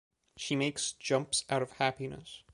She makes jumps out of happiness.